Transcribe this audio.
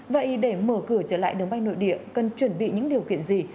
vậy để mở cửa trở lại đường bay nội địa cần chuẩn bị những điều kiện gì